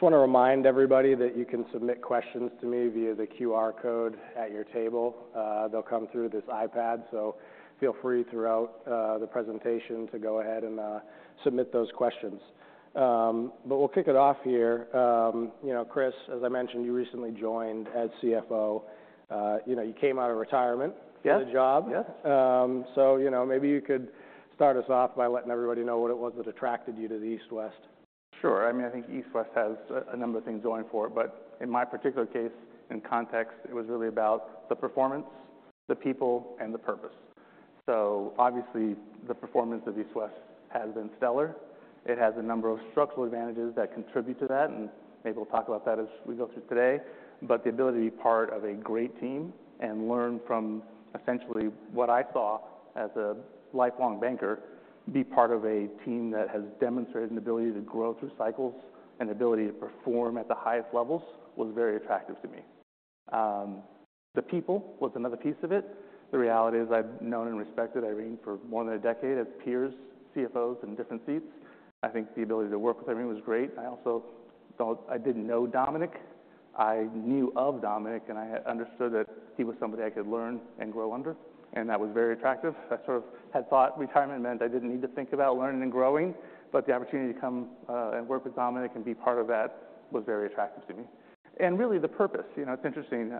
Just want to remind everybody that you can submit questions to me via the QR code at your table. They'll come through this iPad, so feel free throughout the presentation to go ahead and submit those questions. We'll kick it off here. You know, Chris, as I mentioned, you recently joined as CFO. You know, you came out of retirement- Yes -for the job. Yes. You know, maybe you could start us off by letting everybody know what it was that attracted you to the East West? Sure. I mean, I think East West has a number of things going for it, but in my particular case, in context, it was really about the performance, the people, and the purpose. So obviously, the performance of East West has been stellar. It has a number of structural advantages that contribute to that, and maybe we'll talk about that as we go through today. But the ability to be part of a great team and learn from essentially what I saw as a lifelong banker, be part of a team that has demonstrated an ability to grow through cycles and ability to perform at the highest levels, was very attractive to me. The people was another piece of it. The reality is I've known and respected Irene for more than a decade as peers, CFOs in different seats. I think the ability to work with Irene was great. I also thought I didn't know Dominic. I knew of Dominic, and I understood that he was somebody I could learn and grow under, and that was very attractive. I sort of had thought retirement meant I didn't need to think about learning and growing, but the opportunity to come and work with Dominic and be part of that was very attractive to me. Really, the purpose. You know, it's interesting,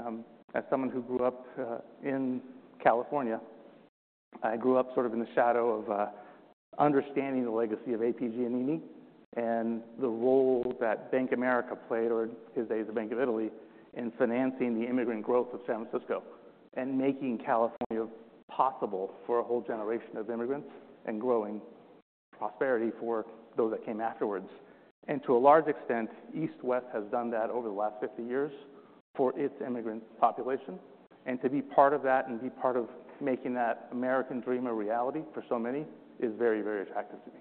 as someone who grew up in California, I grew up sort of in the shadow of understanding the legacy of A.P. Giannini and the role that Bank of America played, or in his day, the Bank of Italy, in financing the immigrant growth of San Francisco and making California possible for a whole generation of immigrants, and growing prosperity for those that came afterwards. To a large extent, East West has done that over the last 50 years for its immigrant population. To be part of that and be part of making that American dream a reality for so many is very, very attractive to me.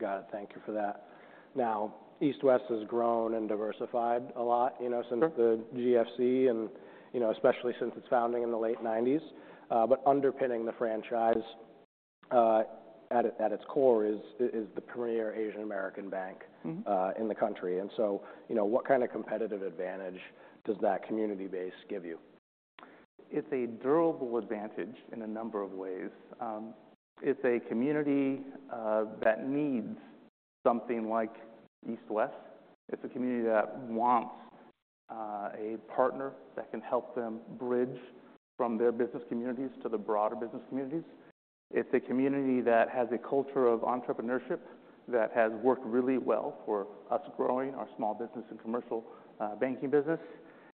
Got it. Thank you for that. Now, East West has grown and diversified a lot, you know- Sure... since the GFC and, you know, especially since its founding in the late 1990s. But underpinning the franchise, at its core is the premier Asian-American bank-... in the country. You know, what kind of competitive advantage does that community base give you? It's a durable advantage in a number of ways. It's a community that needs something like East West. It's a community that wants a partner that can help them bridge from their business communities to the broader business communities. It's a community that has a culture of entrepreneurship that has worked really well for us growing our small business and commercial banking business.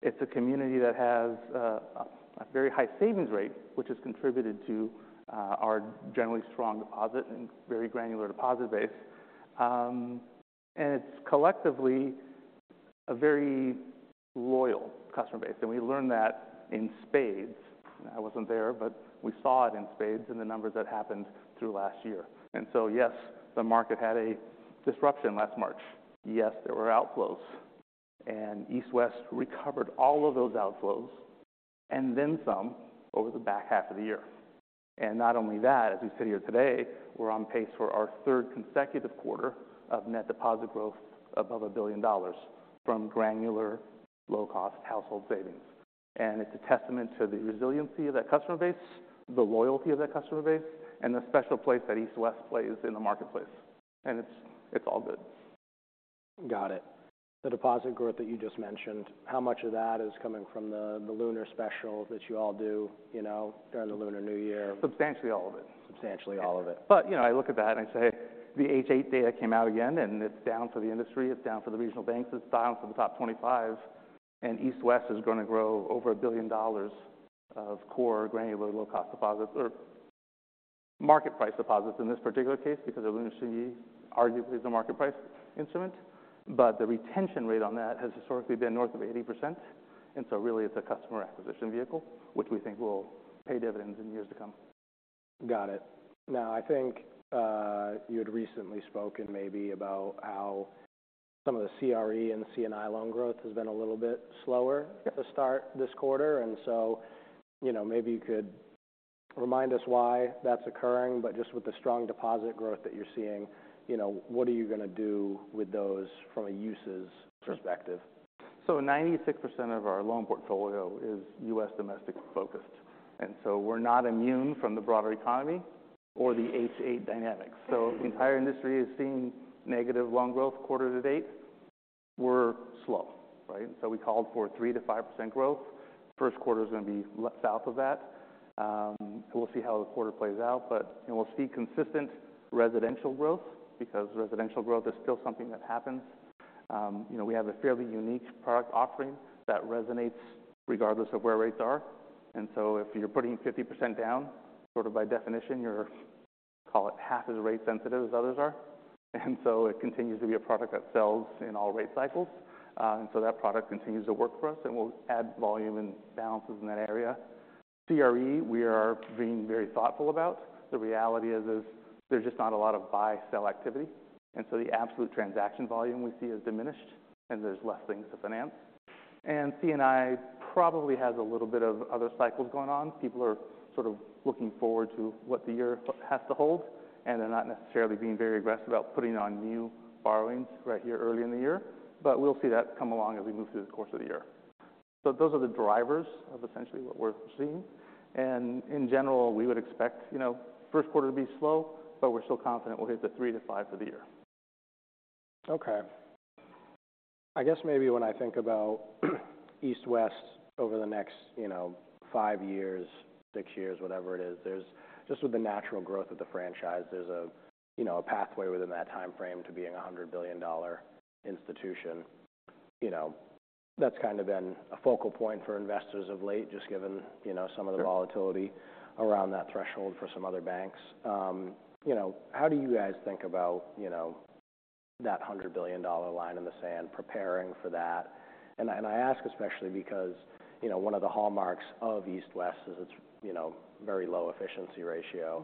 It's a community that has a very high savings rate, which has contributed to our generally strong deposit and very granular deposit base. And it's collectively a very loyal customer base, and we learned that in spades. I wasn't there, but we saw it in spades in the numbers that happened through last year. And so, yes, the market had a disruption last March. Yes, there were outflows, and East West recovered all of those outflows and then some over the back half of the year. And not only that, as we sit here today, we're on pace for our third consecutive quarter of net deposit growth above $1 billion from granular, low-cost household savings. And it's a testament to the resiliency of that customer base, the loyalty of that customer base, and the special place that East West plays in the marketplace, and it's, it's all good. Got it. The deposit growth that you just mentioned, how much of that is coming from the Lunar Special that you all do, you know, during the Lunar New Year? Substantially all of it. Substantially all of it. You know, I look at that and I say, the H.8 data came out again, and it's down for the industry, it's down for the regional banks, it's down for the top 25, and East West is going to grow over $1 billion of core granular, low-cost deposits or market price deposits in this particular case, because a Lunar New Year arguably is a market price instrument. But the retention rate on that has historically been north of 80%, and so really, it's a customer acquisition vehicle, which we think will pay dividends in years to come. Got it. Now, I think, you had recently spoken maybe about how some of the CRE and C&I loan growth has been a little bit slower- Yes... at the start this quarter. So, you know, maybe you could remind us why that's occurring. Just with the strong deposit growth that you're seeing, you know, what are you going to do with those from a uses perspective? So 96% of our loan portfolio is U.S. domestic focused, and so we're not immune from the broader economy or the H.8 dynamics. So the entire industry is seeing negative loan growth quarter to date. We're slow, right? So we called for 3%-5% growth. First quarter is going to be south of that. We'll see how the quarter plays out, but, and we'll see consistent residential growth, because residential growth is still something that happens. You know, we have a fairly unique product offering that resonates regardless of where rates are. And so if you're putting 50% down, sort of by definition, you're, call it, half as rate sensitive as others are. And so it continues to be a product that sells in all rate cycles. So that product continues to work for us, and we'll add volume and balances in that area. CRE, we are being very thoughtful about. The reality is, is there's just not a lot of buy/sell activity, and so the absolute transaction volume we see has diminished... and there's less things to finance. C&I probably has a little bit of other cycles going on. People are sort of looking forward to what the year has to hold, and they're not necessarily being very aggressive about putting on new borrowings right here early in the year. But we'll see that come along as we move through the course of the year. So those are the drivers of essentially what we're seeing. And in general, we would expect, you know, first quarter to be slow, but we're still confident we'll hit the 3-5 for the year. Okay. I guess maybe when I think about East West over the next, you know, 5 years, 6 years, whatever it is, there's just with the natural growth of the franchise, there's a, you know, a pathway within that time frame to being a $100 billion institution. You know, that's kind of been a focal point for investors of late, just given, you know- Sure... some of the volatility around that threshold for some other banks. You know, how do you guys think about, you know, that $100 billion line in the sand, preparing for that? And I ask especially because, you know, one of the hallmarks of East West is its, you know, very low efficiency ratio.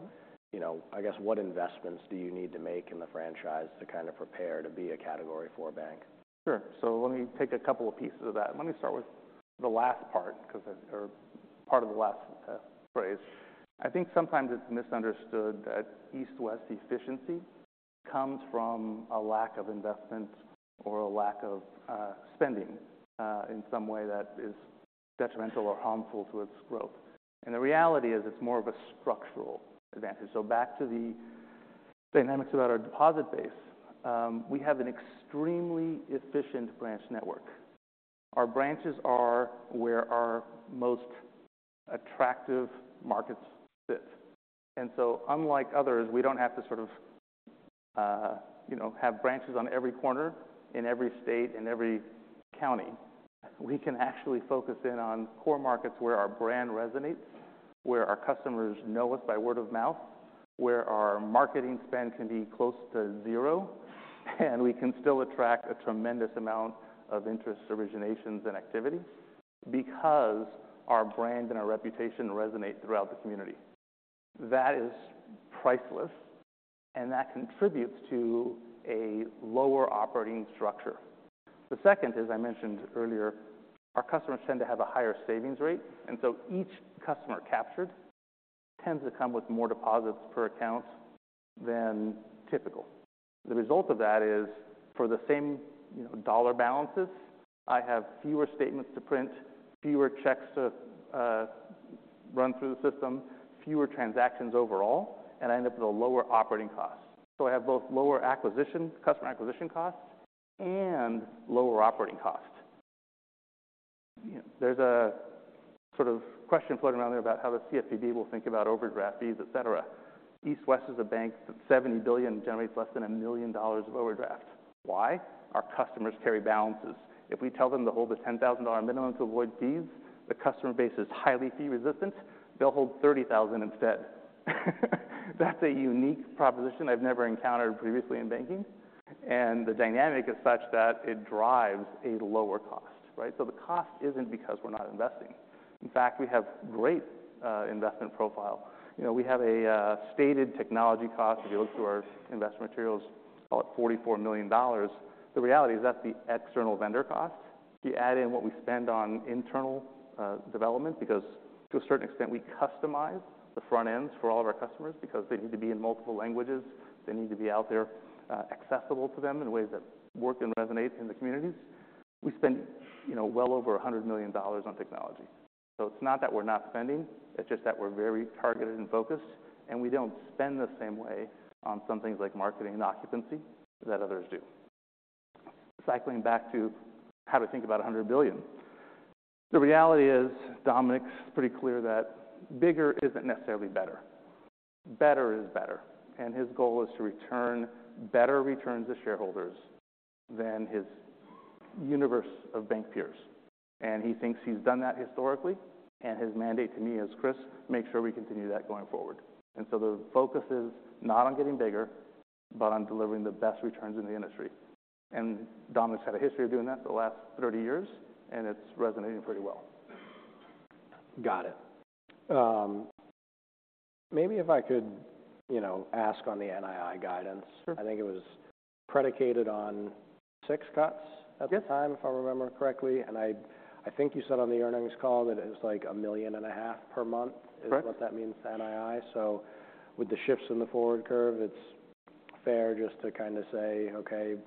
You know, I guess what investments do you need to make in the franchise to kind of prepare to be a Category IV bank? Sure. So let me take a couple of pieces of that. Let me start with the last part, 'cause, or part of the last phrase. I think sometimes it's misunderstood that East West efficiency comes from a lack of investment or a lack of spending in some way that is detrimental or harmful to its growth. And the reality is, it's more of a structural advantage. So back to the dynamics about our deposit base. We have an extremely efficient branch network. Our branches are where our most attractive markets sit. And so unlike others, we don't have to sort of you know have branches on every corner in every state and every county. We can actually focus in on core markets where our brand resonates, where our customers know us by word of mouth, where our marketing spend can be close to zero, and we can still attract a tremendous amount of interest, originations, and activity because our brand and our reputation resonate throughout the community. That is priceless, and that contributes to a lower operating structure. The second, as I mentioned earlier, our customers tend to have a higher savings rate, and so each customer captured tends to come with more deposits per account than typical. The result of that is, for the same, you know, dollar balances, I have fewer statements to print, fewer checks to run through the system, fewer transactions overall, and I end up with a lower operating cost. So I have both lower acquisition, customer acquisition costs and lower operating costs. There's a sort of question floating around there about how the CFPB will think about overdraft fees, et cetera. East West is a bank of $70 billion, generates less than $1 million of overdraft. Why? Our customers carry balances. If we tell them to hold a $10,000 minimum to avoid fees, the customer base is highly fee resistant. They'll hold $30,000 instead. That's a unique proposition I've never encountered previously in banking, and the dynamic is such that it drives a lower cost, right? So the cost isn't because we're not investing. In fact, we have great investment profile. You know, we have a stated technology cost, if you look through our investment materials, about $44 million. The reality is that's the external vendor cost. If you add in what we spend on internal, development, because to a certain extent, we customize the front ends for all of our customers because they need to be in multiple languages, they need to be out there, accessible to them in ways that work and resonate in the communities. We spend, you know, well over $100 million on technology. So it's not that we're not spending, it's just that we're very targeted and focused, and we don't spend the same way on some things like marketing and occupancy that others do. Cycling back to how to think about $100 billion. The reality is, Dominic's pretty clear that bigger isn't necessarily better. Better is better, and his goal is to return better returns to shareholders than his universe of bank peers. He thinks he's done that historically, and his mandate to me is, "Chris, make sure we continue that going forward." So the focus is not on getting bigger, but on delivering the best returns in the industry. Dominic's had a history of doing that for the last 30 years, and it's resonating pretty well. Got it. Maybe if I could, you know, ask on the NII guidance. Sure. I think it was predicated on six cuts at the time- Yes... if I remember correctly. I think you said on the earnings call that it was like $1.5 million per month- Correct - is what that means to NII. So with the shifts in the forward curve, it's fair just to kind of say, "Okay," you know-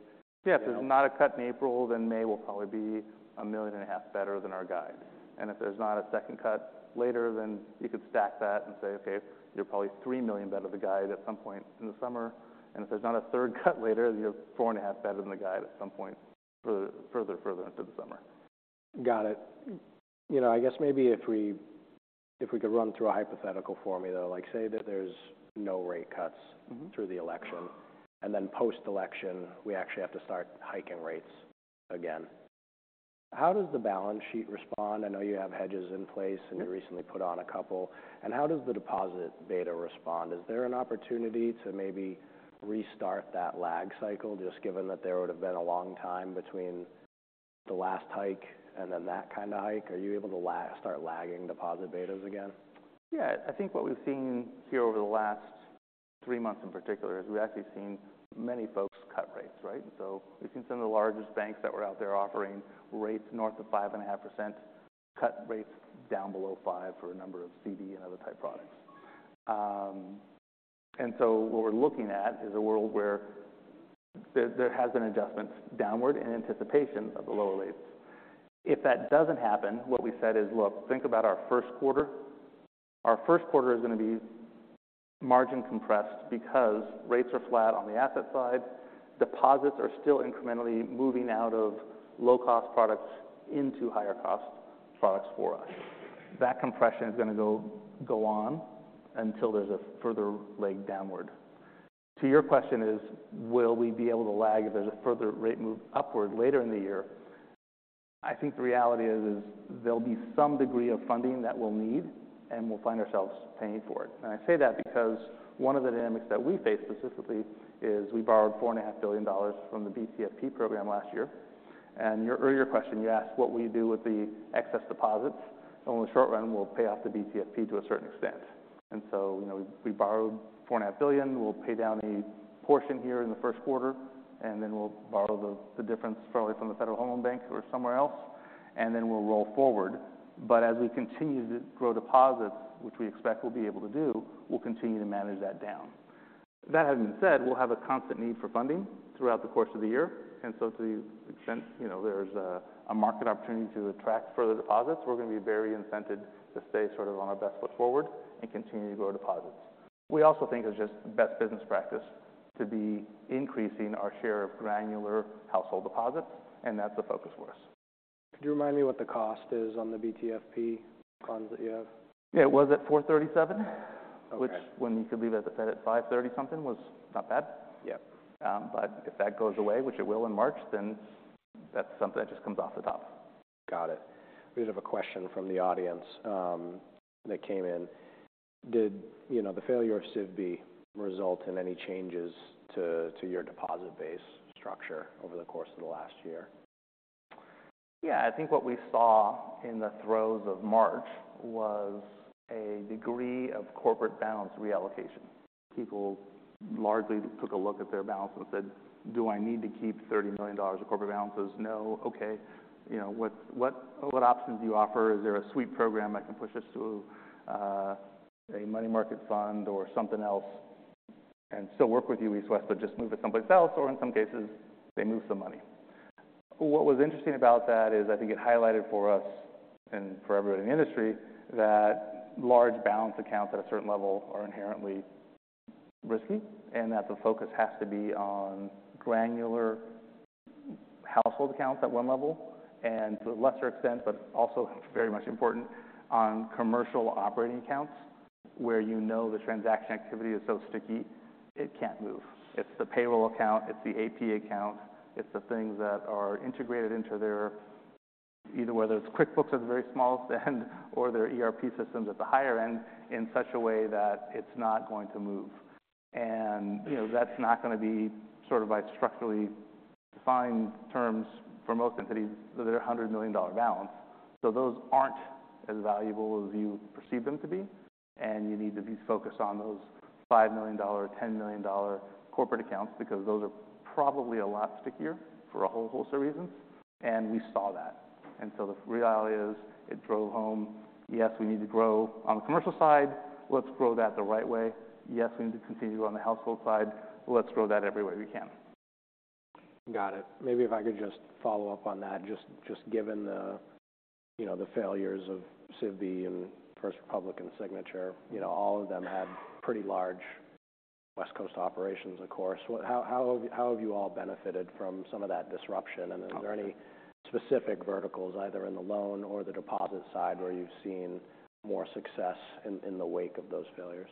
Yes, if there's not a cut in April, then May will probably be $1.5 million better than our guide. And if there's not a second cut later, then you could stack that and say, "Okay, you're probably $3 million better than the guide at some point in the summer." And if there's not a third cut later, then you're $4.5 million better than the guide at some point further into the summer. Got it. You know, I guess maybe if we could run through a hypothetical for me, though, like, say that there's no rate cuts through the election, and then post-election, we actually have to start hiking rates again. How does the balance sheet respond? I know you have hedges in place- You recently put on a couple. And how does the deposit beta respond? Is there an opportunity to maybe restart that lag cycle, just given that there would have been a long time between the last hike and then that kind of hike? Are you able to start lagging deposit betas again? Yeah. I think what we've seen here over the last three months in particular is we've actually seen many folks cut rates, right? And so we've seen some of the largest banks that were out there offering rates north of 5.5% cut rates down below 5% for a number of CD and other type products. And so what we're looking at is a world where there has been adjustments downward in anticipation of the lower rates. If that doesn't happen, what we said is, "Look, think about our first quarter." Our first quarter is going to be margin compressed because rates are flat on the asset side. Deposits are still incrementally moving out of low-cost products into higher-cost products for us. That compression is going to go on until there's a further leg downward. So your question is, will we be able to lag if there's a further rate move upward later in the year? I think the reality is, is there'll be some degree of funding that we'll need, and we'll find ourselves paying for it. And I say that because one of the dynamics that we face specifically is we borrowed $4.5 billion from the BTFP program last year. And your earlier question, you asked, what we do with the excess deposits? So in the short run, we'll pay off the BTFP to a certain extent. And so, you know, we borrowed $4.5 billion. We'll pay down a portion here in the first quarter, and then we'll borrow the, the difference probably from the Federal Home Loan Bank or somewhere else, and then we'll roll forward. But as we continue to grow deposits, which we expect we'll be able to do, we'll continue to manage that down. That having been said, we'll have a constant need for funding throughout the course of the year, and so to the extent, you know, there's a market opportunity to attract further deposits, we're going to be very incented to stay sort of on our best foot forward and continue to grow deposits. We also think it's just best business practice to be increasing our share of granular household deposits, and that's a focus for us. Could you remind me what the cost is on the BTFP funds that you have? It was at 4.37. Okay. Which when you could leave, as I said, at 5.30 something, was not bad. Yeah. But if that goes away, which it will in March, then that's something that just comes off the top. Got it. We have a question from the audience that came in. Did you know the failure of SVB result in any changes to your deposit base structure over the course of the last year? Yeah. I think what we saw in the throes of March was a degree of corporate balance reallocation. People largely took a look at their balance and said, "Do I need to keep $30 million of corporate balances? No. Okay, you know, what, what, what options do you offer? Is there a suite program that can push us to a money market fund or something else, and still work with you, East West, but just move it someplace else?" Or in some cases, they moved the money. What was interesting about that is I think it highlighted for us, and for everybody in the industry, that large balance accounts at a certain level are inherently risky, and that the focus has to be on granular household accounts at one level, and to a lesser extent, but also very much important, on commercial operating accounts, where you know the transaction activity is so sticky it can't move. It's the payroll account, it's the AP account, it's the things that are integrated into their... either whether it's QuickBooks at the very smallest end or their ERP systems at the higher end, in such a way that it's not going to move. And, you know, that's not going to be sort of by structurally defined terms for most entities that are a $100 million balance. Those aren't as valuable as you perceive them to be, and you need to be focused on those $5 million, $10 million corporate accounts, because those are probably a lot stickier for a whole host of reasons, and we saw that. So the reality is it drove home, yes, we need to grow on the commercial side. Let's grow that the right way. Yes, we need to continue on the household side. Let's grow that every way we can. Got it. Maybe if I could just follow up on that, just given the, you know, the failures of SVB and First Republic and Signature Bank, you know, all of them had pretty large West Coast operations, of course. What... How have you all benefited from some of that disruption? Okay. Then, are there any specific verticals, either in the loan or the deposit side, where you've seen more success in, in the wake of those failures?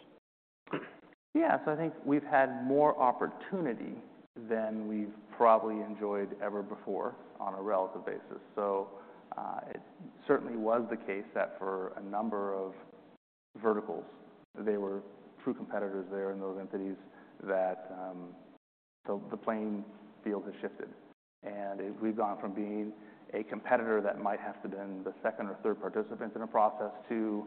Yeah. So I think we've had more opportunity than we've probably enjoyed ever before on a relative basis. So, it certainly was the case that for a number of verticals, they were true competitors there in those entities that, so the playing field has shifted. And we've gone from being a competitor that might have to be the second or third participant in a process to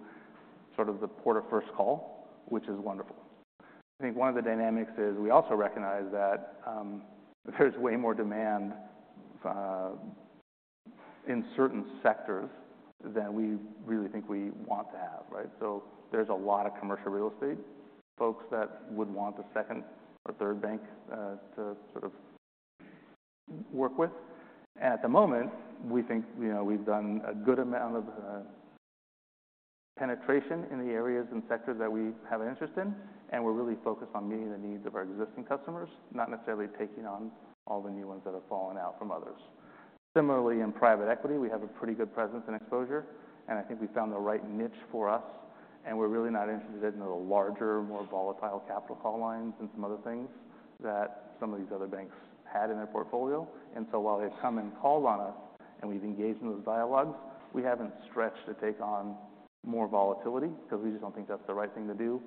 sort of the port of first call, which is wonderful. I think one of the dynamics is we also recognize that, there's way more demand in certain sectors than we really think we want to have, right? So there's a lot of commercial real estate folks that would want a second or third bank to sort of work with. At the moment, we think, you know, we've done a good amount of penetration in the areas and sectors that we have an interest in, and we're really focused on meeting the needs of our existing customers, not necessarily taking on all the new ones that have fallen out from others. Similarly, in private equity, we have a pretty good presence and exposure, and I think we found the right niche for us, and we're really not interested in the larger, more volatile capital call lines and some other things that some of these other banks had in their portfolio. And so while they've come and called on us and we've engaged in those dialogues, we haven't stretched to take on more volatility because we just don't think that's the right thing to do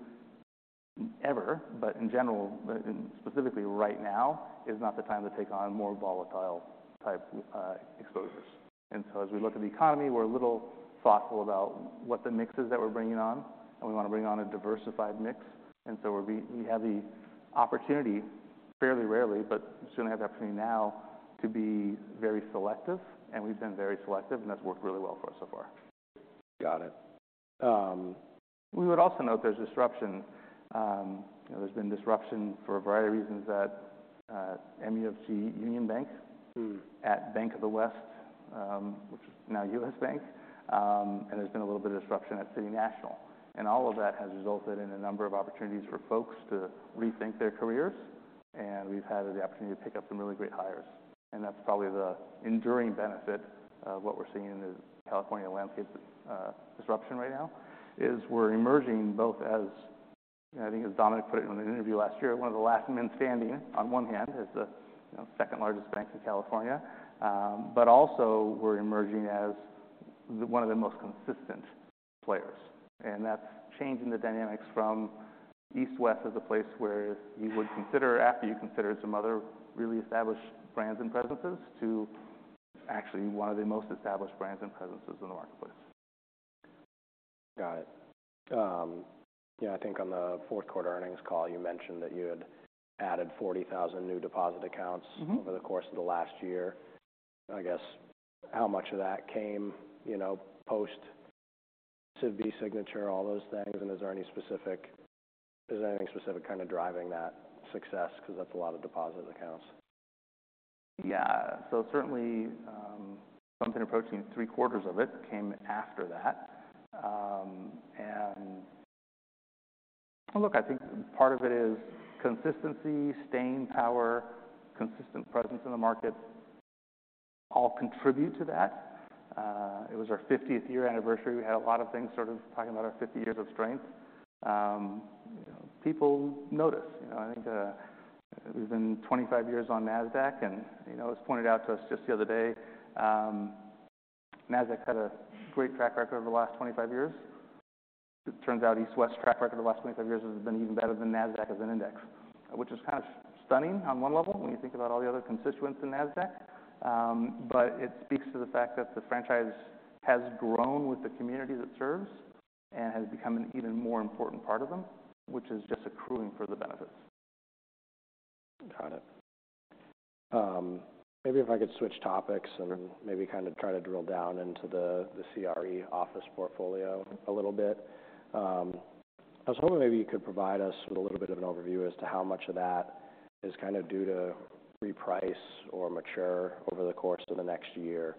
ever. But in general, specifically right now, is not the time to take on more volatile type exposures. And so as we look at the economy, we're a little thoughtful about what the mix is that we're bringing on, and we want to bring on a diversified mix. And so we have the opportunity fairly rarely, but soon have the opportunity now to be very selective, and we've been very selective, and that's worked really well for us so far. Got it. We would also note there's disruption. There's been disruption for a variety of reasons at MUFG Union Bank- at Bank of the West, which is now U.S. Bank. And there's been a little bit of disruption at City National, and all of that has resulted in a number of opportunities for folks to rethink their careers, and we've had the opportunity to pick up some really great hires. And that's probably the enduring benefit of what we're seeing in the California landscape, disruption right now, is we're emerging both as, I think, as Dominic put it in an interview last year, one of the last men standing, on one hand, as the, you know, second largest bank in California. But also we're emerging as the one of the most consistent players, and that's changing the dynamics from East West as a place where you would consider after you consider some other really established brands and presences, to actually one of the most established brands and presences in the marketplace. Got it. Yeah, I think on the fourth quarter earnings call, you mentioned that you had added 40,000 new deposit accounts- Over the course of the last year. I guess, how much of that came, you know, post SVB Signature, all those things, and is there any specific-- is there anything specific kind of driving that success? Because that's a lot of deposit accounts. Yeah. So certainly, something approaching three-quarters of it came after that. And look, I think part of it is consistency, staying power, consistent presence in the market, all contribute to that. It was our 50th year anniversary. We had a lot of things sort of talking about our 50 years of strength. People notice. You know, I think, we've been 25 years on NASDAQ, and, you know, it was pointed out to us just the other day, NASDAQ had a great track record over the last 25 years. It turns out East West's track record the last 25 years has been even better than NASDAQ as an index. Which is kind of stunning on one level when you think about all the other constituents in NASDAQ. But, it speaks to the fact that the franchise has grown with the community that it serves and has become an even more important part of them, which is just accruing for the benefits. Got it. Maybe if I could switch topics and maybe kind of try to drill down into the CRE office portfolio a little bit. I was hoping maybe you could provide us with a little bit of an overview as to how much of that is kind of due to reprice or mature over the course of the next year.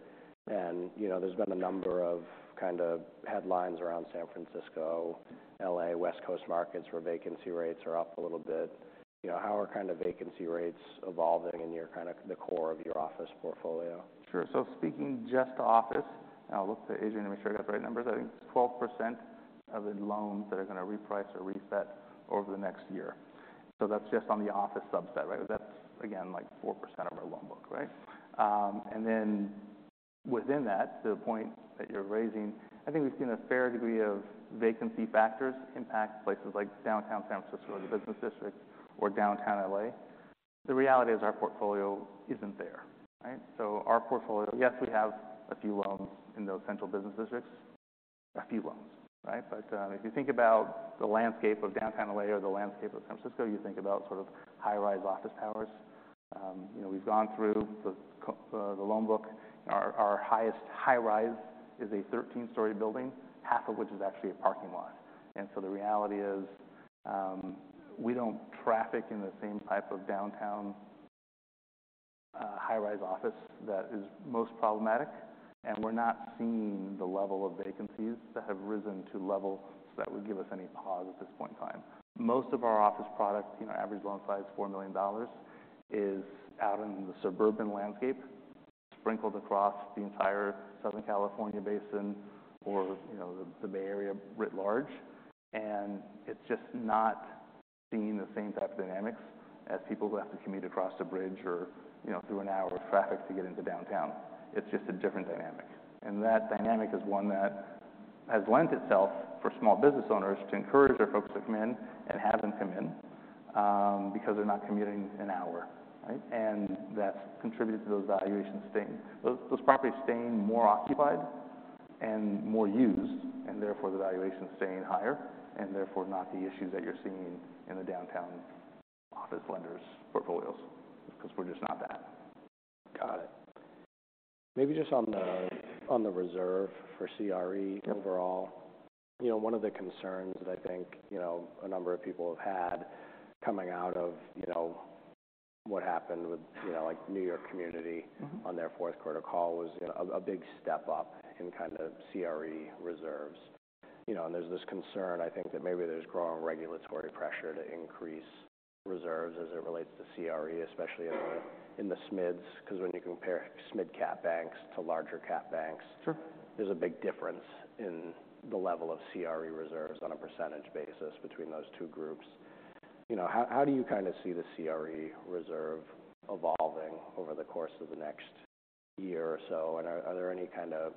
And, you know, there's been a number of kind of headlines around San Francisco, L.A., West Coast markets, where vacancy rates are up a little bit. You know, how are kind of vacancy rates evolving in your kind of the core of your office portfolio? Sure. So speaking just to office, and I'll look to Adrienne to make sure I got the right numbers. I think 12% of the loans that are going to reprice or reset over the next year. So that's just on the office subset, right? That's again, like 4% of our loan book, right? And then within that, to the point that you're raising, I think we've seen a fair degree of vacancy factors impact places like Downtown San Francisco, or the business district, or Downtown L.A. The reality is our portfolio isn't there, right? So our portfolio. Yes, we have a few loans in those central business districts. A few loans, right? But, if you think about the landscape of Downtown L.A. or the landscape of San Francisco, you think about sort of high-rise office towers. You know, we've gone through the loan book. Our highest high-rise is a 13-story building, half of which is actually a parking lot. So the reality is, we don't traffic in the same type of downtown high-rise office that is most problematic, and we're not seeing the level of vacancies that have risen to levels that would give us any pause at this point in time. Most of our office product, you know, average loan size $4 million, is out in the suburban landscape, sprinkled across the entire Southern California basin or, you know, the Bay Area writ large. And it's just not seeing the same type of dynamics as people who have to commute across the bridge or, you know, through an hour of traffic to get into downtown. It's just a different dynamic. That dynamic is one that has lent itself for small business owners to encourage their folks to come in and have them come in, because they're not commuting an hour, right? That's contributed to those valuations staying. Those properties staying more occupied and more used, and therefore the valuations staying higher, and therefore not the issues that you're seeing in the downtown office lenders' portfolios, because we're just not that. Got it. Maybe just on the, on the reserve for CRE overall. You know, one of the concerns that I think, you know, a number of people have had coming out of, you know, what happened with, you know, like, New York Community- -on their fourth quarter call was, you know, a big step up in kind of CRE reserves. You know, and there's this concern, I think, that maybe there's growing regulatory pressure to increase reserves as it relates to CRE, especially in the, in the SMIDs. Because when you compare SMID cap banks to larger cap banks- Sure... there's a big difference in the level of CRE reserves on a percentage basis between those two groups. You know, how, how do you kind of see the CRE reserve evolving over the course of the next year or so? And are, are there any kind of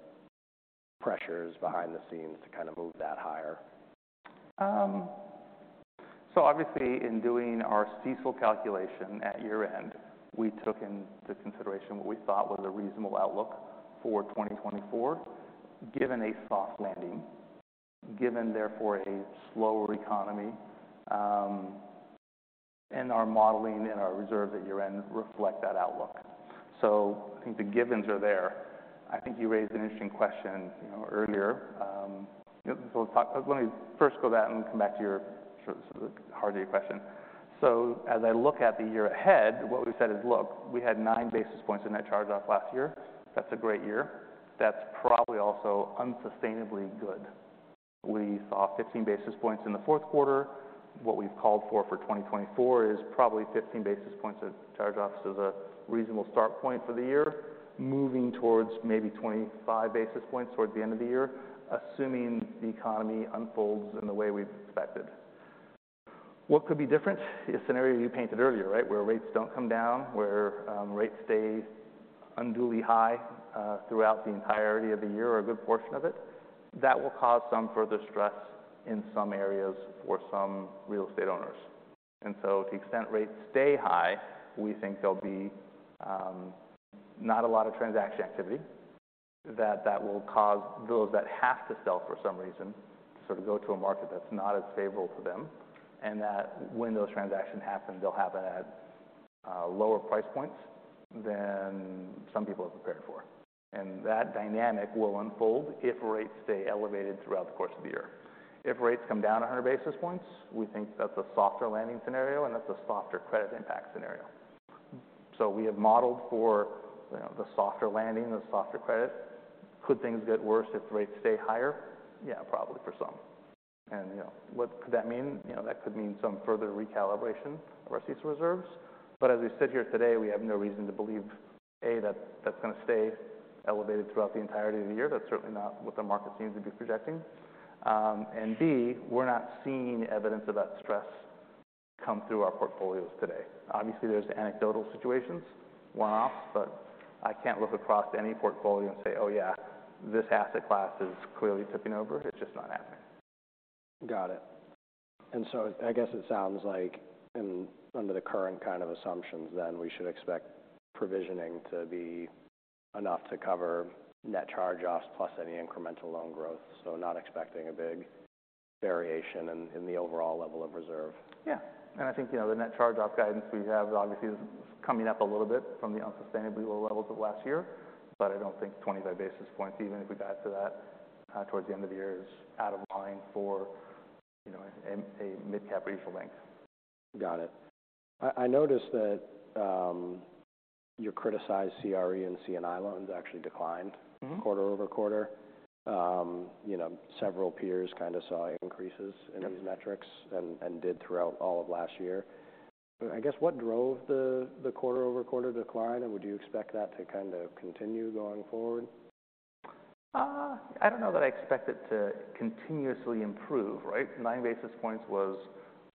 pressures behind the scenes to kind of move that higher? So obviously, in doing our CECL calculation at year-end, we took into consideration what we thought was a reasonable outlook for 2024, given a soft landing... given therefore, a slower economy, and our modeling and our reserve at year-end reflect that outlook. So I think the givens are there. I think you raised an interesting question, you know, earlier. So let me first go back and come back to the heart of your question. So as I look at the year ahead, what we've said is, look, we had 9 basis points in net charge-off last year. That's a great year. That's probably also unsustainably good. We saw 15 basis points in the fourth quarter. What we've called for, for 2024 is probably 15 basis points of charge-offs as a reasonable start point for the year, moving towards maybe 25 basis points towards the end of the year, assuming the economy unfolds in the way we've expected. What could be different? A scenario you painted earlier, right? Where rates don't come down, where, rates stay unduly high, throughout the entirety of the year or a good portion of it. That will cause some further stress in some areas for some real estate owners. And so to the extent rates stay high, we think there'll be not a lot of transaction activity that will cause those that have to sell for some reason sort of go to a market that's not as favorable to them, and that when those transactions happen, they'll happen at lower price points than some people have prepared for. And that dynamic will unfold if rates stay elevated throughout the course of the year. If rates come down 100 basis points, we think that's a softer landing scenario and that's a softer credit impact scenario. So we have modeled for, you know, the softer landing, the softer credit. Could things get worse if rates stay higher? Yeah, probably for some. And, you know, what could that mean? You know, that could mean some further recalibration of our CECL reserves. As we sit here today, we have no reason to believe, A, that that's going to stay elevated throughout the entirety of the year. That's certainly not what the market seems to be projecting. And B, we're not seeing evidence of that stress come through our portfolios today. Obviously, there's anecdotal situations, one-off, but I can't look across any portfolio and say, "Oh, yeah, this asset class is clearly tipping over." It's just not happening. Got it. So I guess it sounds like under the current kind of assumptions, then we should expect provisioning to be enough to cover net charge-offs plus any incremental loan growth. So not expecting a big variation in the overall level of reserve. Yeah. And I think, you know, the net charge-off guidance we have obviously is coming up a little bit from the unsustainably low levels of last year, but I don't think 25 basis points, even if we got to that, towards the end of the year, is out of line for, you know, a, a mid-cap regional bank. Got it. I noticed that your criticized CRE and C&I loans actually declined. quarter-over-quarter. You know, several peers kind of saw increases- Yep. -in these metrics and did throughout all of last year. I guess, what drove the quarter-over-quarter decline, and would you expect that to kind of continue going forward? I don't know that I expect it to continuously improve, right? 9 basis points was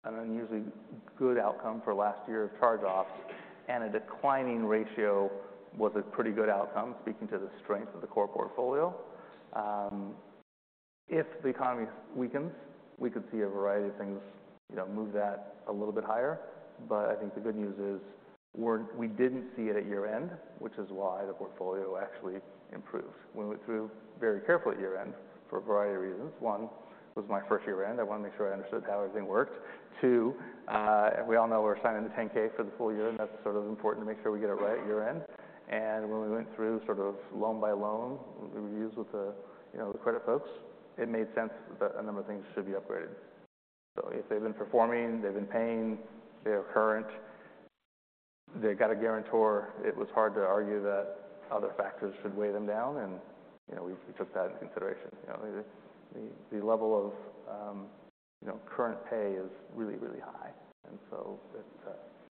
an unusually good outcome for last year of charge-offs, and a declining ratio was a pretty good outcome, speaking to the strength of the core portfolio. If the economy weakens, we could see a variety of things, you know, move that a little bit higher. But I think the good news is, we're—we didn't see it at year-end, which is why the portfolio actually improved. We went through very carefully at year-end for a variety of reasons. One, it was my first year-end. I wanted to make sure I understood how everything worked. Two, we all know we're signing the 10-K for the full year, and that's sort of important to make sure we get it right at year-end. When we went through sort of loan-by-loan reviews with the, you know, the credit folks, it made sense that a number of things should be upgraded. So if they've been performing, they've been paying, they are current, they got a guarantor, it was hard to argue that other factors should weigh them down, and, you know, we took that into consideration. You know, the level of, you know, current pay is really, really high. And so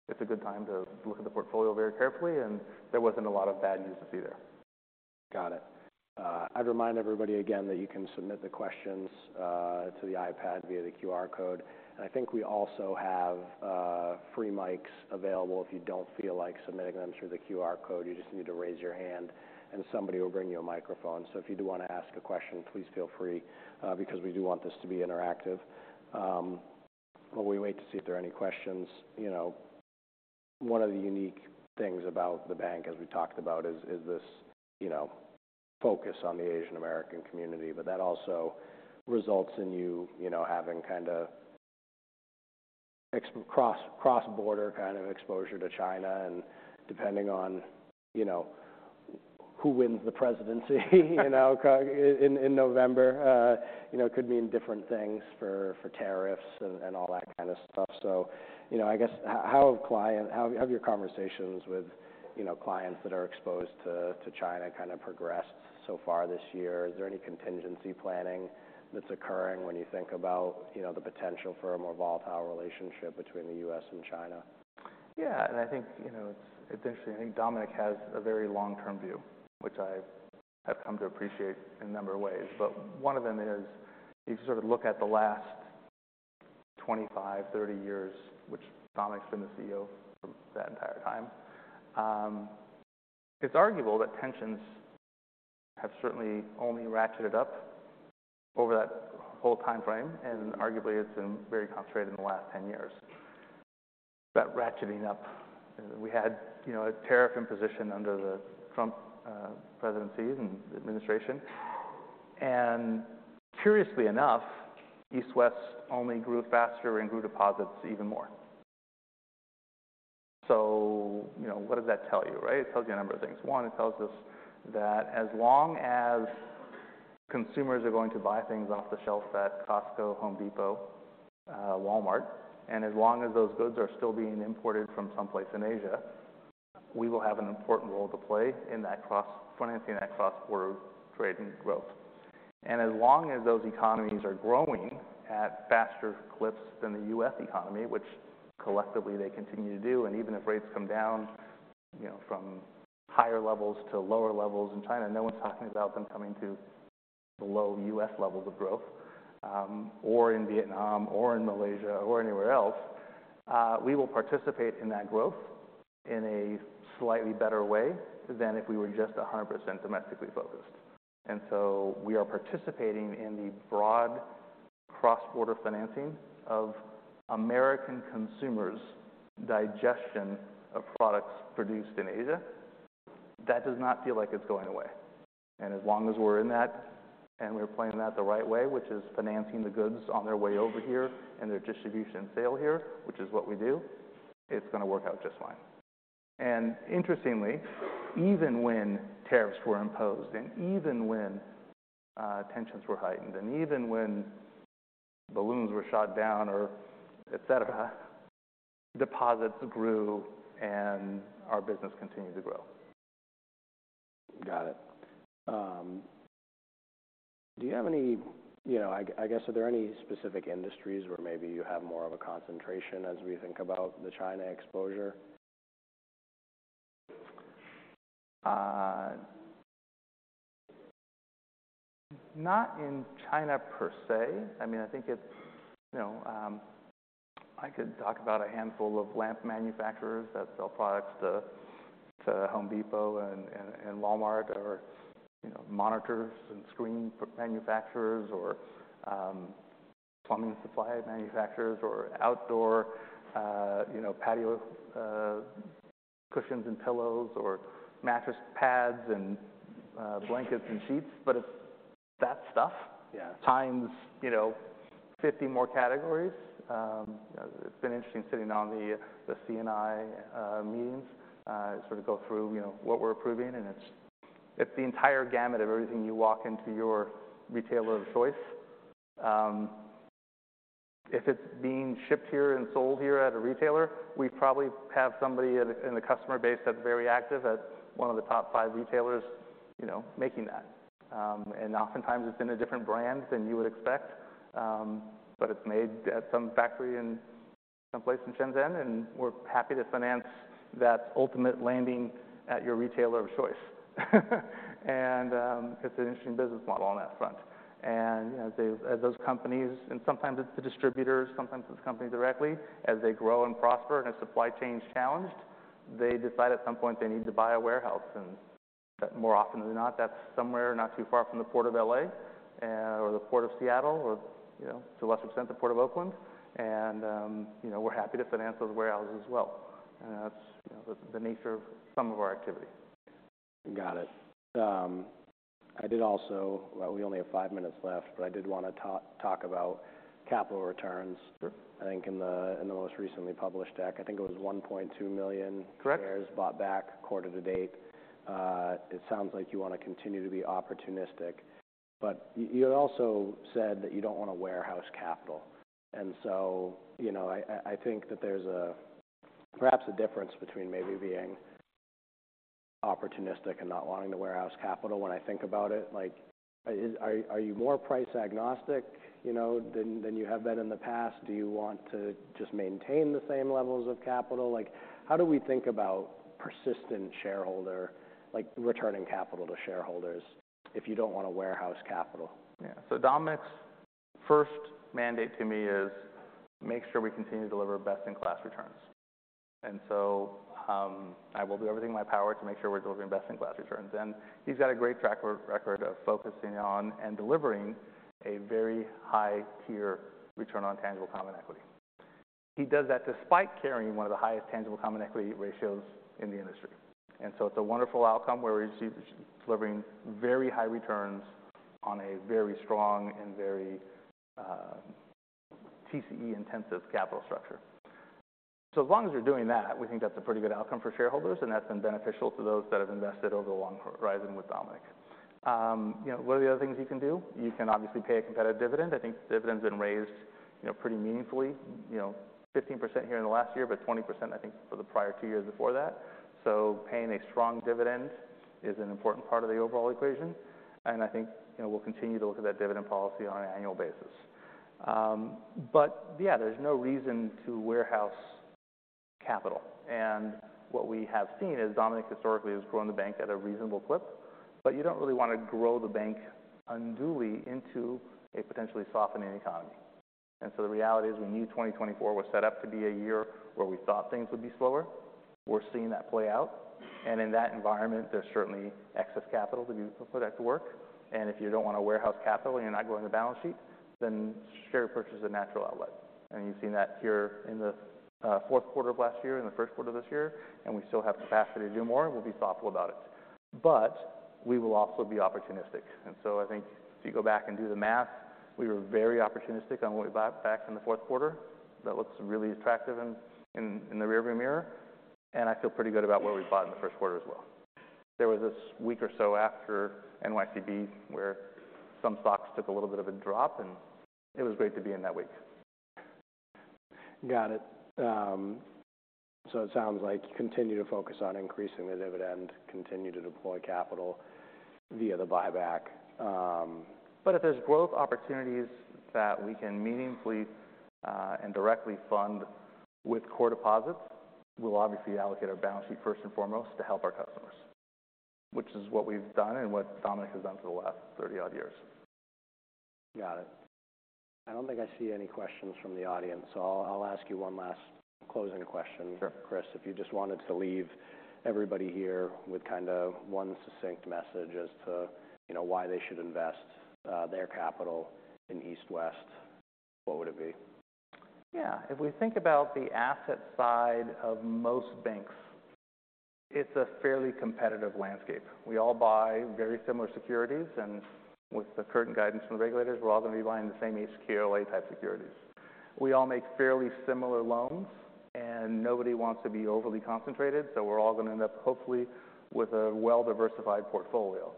it's a good time to look at the portfolio very carefully, and there wasn't a lot of bad news to see there. Got it. I'd remind everybody again that you can submit the questions to the iPad via the QR code. I think we also have free mics available if you don't feel like submitting them through the QR code. You just need to raise your hand, and somebody will bring you a microphone. If you do want to ask a question, please feel free, because we do want this to be interactive. While we wait to see if there are any questions, you know, one of the unique things about the bank, as we talked about, is this, you know, focus on the Asian-American community, but that also results in you, you know, having kind of cross-border kind of exposure to China, and depending on, you know, who wins the presidency, you know, in November, you know, could mean different things for tariffs and all that kind of stuff. So, you know, I guess, how have your conversations with, you know, clients that are exposed to China kind of progressed so far this year? Is there any contingency planning that's occurring when you think about, you know, the potential for a more volatile relationship between the U.S. and China? Yeah, and I think, you know, it's interesting. I think Dominic has a very long-term view, which I have come to appreciate in a number of ways. But one of them is, you sort of look at the last 25, 30 years, which Dominic's been the CEO for that entire time. It's arguable that tensions have certainly only ratcheted up over that whole timeframe, and arguably, it's been very concentrated in the last 10 years. We had, you know, a tariff imposition under the Trump presidency and the administration. And curiously enough, East West only grew faster and grew deposits even more. So, you know, what does that tell you, right? It tells you a number of things. One, it tells us that as long as consumers are going to buy things off the shelf at Costco, Home Depot, Walmart, and as long as those goods are still being imported from someplace in Asia, we will have an important role to play in that cross-border financing that cross-border trade and growth. And as long as those economies are growing at faster clips than the U.S. economy, which collectively they continue to do, and even if rates come down, you know, from higher levels to lower levels in China, no one's talking about them coming to the low U.S. levels of growth, or in Vietnam, or in Malaysia, or anywhere else. We will participate in that growth in a slightly better way than if we were just 100% domestically focused. We are participating in the broad cross-border financing of American consumers' digestion of products produced in Asia. That does not feel like it's going away. As long as we're in that, and we're playing that the right way, which is financing the goods on their way over here and their distribution and sale here, which is what we do, it's gonna work out just fine. Interestingly, even when tariffs were imposed, and even when, tensions were heightened, and even when balloons were shot down or et cetera, deposits grew and our business continued to grow. Got it. You know, I guess, are there any specific industries where maybe you have more of a concentration as we think about the China exposure? Not in China per se. I mean, I think it's... You know, I could talk about a handful of lamp manufacturers that sell products to Home Depot and Walmart or, you know, monitors and screen manufacturers or plumbing supply manufacturers or outdoor, you know, patio cushions and pillows, or mattress pads and blankets and sheets, but it's that stuff- Yeah. times, you know, 50 more categories. It's been interesting sitting on the C&I meetings, sort of go through, you know, what we're approving, and it's the entire gamut of everything you walk into your retailer of choice. If it's being shipped here and sold here at a retailer, we probably have somebody in the customer base that's very active at one of the top five retailers, you know, making that. And oftentimes, it's in a different brand than you would expect, but it's made at some factory in some place in Shenzhen, and we're happy to finance that ultimate landing at your retailer of choice. And it's an interesting business model on that front. You know, as those companies, and sometimes it's the distributors, sometimes it's the company directly, as they grow and prosper and as supply chain's challenged, they decide at some point they need to buy a warehouse. And more often than not, that's somewhere not too far from the Port of L.A., or the Port of Seattle or, you know, to a lesser extent, the Port of Oakland. And, you know, we're happy to finance those warehouses as well. And that's, you know, the nature of some of our activity. Got it. I did also. Well, we only have five minutes left, but I did wanna talk about capital returns. Sure. I think in the most recently published deck, I think it was $1.2 million- Correct. - shares bought back quarter to date. It sounds like you want to continue to be opportunistic, but you had also said that you don't want to warehouse capital. And so, you know, I think that there's a perhaps a difference between maybe being opportunistic and not wanting to warehouse capital when I think about it. Like, are you more price-agnostic, you know, than you have been in the past? Do you want to just maintain the same levels of capital? Like, how do we think about persistent shareholder, like, returning capital to shareholders if you don't want to warehouse capital? Yeah. So Dominic's first mandate to me is, make sure we continue to deliver best-in-class returns. And so, I will do everything in my power to make sure we're delivering best-in-class returns. And he's got a great track record of focusing on and delivering a very high-tier return on tangible common equity. He does that despite carrying one of the highest tangible common equity ratios in the industry. And so it's a wonderful outcome where he's delivering very high returns on a very strong and very TCE-intensive capital structure. So as long as we're doing that, we think that's a pretty good outcome for shareholders, and that's been beneficial to those that have invested over the long horizon with Dominic. You know, what are the other things you can do? You can obviously pay a competitive dividend. I think the dividend's been raised, you know, pretty meaningfully, you know, 15% here in the last year, but 20%, I think, for the prior two years before that. So paying a strong dividend is an important part of the overall equation, and I think, you know, we'll continue to look at that dividend policy on an annual basis. But yeah, there's no reason to warehouse capital, and what we have seen is Dominic historically has grown the bank at a reasonable clip, but you don't really want to grow the bank unduly into a potentially softening economy. And so the reality is, we knew 2024 was set up to be a year where we thought things would be slower.... we're seeing that play out, and in that environment, there's certainly excess capital to be put out to work. And if you don't want to warehouse capital and you're not growing the balance sheet, then share purchase is a natural outlet. And you've seen that here in the fourth quarter of last year and the first quarter of this year, and we still have capacity to do more, and we'll be thoughtful about it. But we will also be opportunistic. And so I think if you go back and do the math, we were very opportunistic on what we bought back in the fourth quarter. That looks really attractive in the rearview mirror, and I feel pretty good about what we bought in the first quarter as well. There was this week or so after NYCB, where some stocks took a little bit of a drop, and it was great to be in that week. Got it. So it sounds like you continue to focus on increasing the dividend, continue to deploy capital via the buyback, If there's growth opportunities that we can meaningfully and directly fund with core deposits, we'll obviously allocate our balance sheet first and foremost to help our customers, which is what we've done and what Dominic has done for the last 30-odd years. Got it. I don't think I see any questions from the audience, so I'll ask you one last closing question. Sure. Chris, if you just wanted to leave everybody here with kind of one succinct message as to, you know, why they should invest their capital in East West, what would it be? Yeah. If we think about the asset side of most banks, it's a fairly competitive landscape. We all buy very similar securities, and with the current guidance from the regulators, we're all going to be buying the same HQLA-type securities. We all make fairly similar loans, and nobody wants to be overly concentrated, so we're all going to end up, hopefully, with a well-diversified portfolio.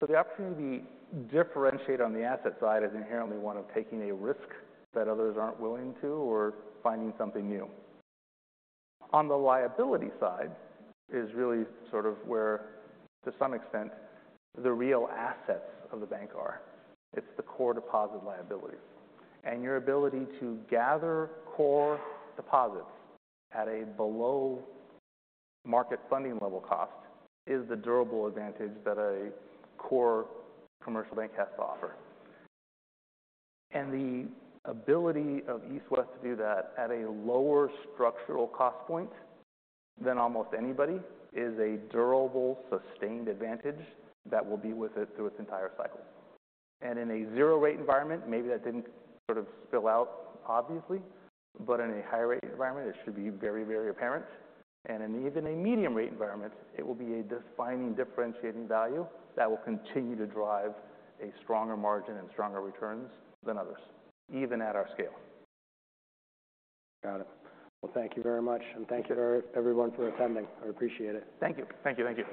So the opportunity to differentiate on the asset side is inherently one of taking a risk that others aren't willing to or finding something new. On the liability side is really sort of where, to some extent, the real assets of the bank are. It's the core deposit liability. Your ability to gather core deposits at a below market funding level cost is the durable advantage that a core commercial bank has to offer. The ability of East West to do that at a lower structural cost point than almost anybody is a durable, sustained advantage that will be with it through its entire cycle. In a zero-rate environment, maybe that didn't sort of spill out obviously, but in a high-rate environment, it should be very, very apparent. In even a medium-rate environment, it will be a defining, differentiating value that will continue to drive a stronger margin and stronger returns than others, even at our scale. Got it. Well, thank you very much, and thank you to everyone for attending. I appreciate it. Thank you. Thank you, thank you.